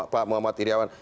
pak muhammad irawan